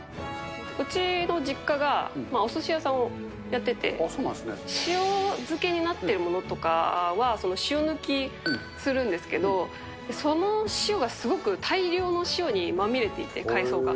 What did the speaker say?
うちの実家が、おすし屋さんをやってて、塩漬けになっているものとかは、塩抜きするんですけど、その塩がすごく大量の塩にまみれていて、海藻が。